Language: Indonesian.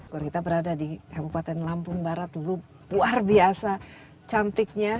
kalau kita berada di kabupaten lampung barat luar biasa cantiknya